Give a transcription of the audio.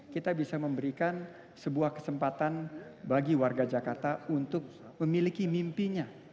kita bisa memberikan sebuah kesempatan bagi warga jakarta untuk memiliki mimpinya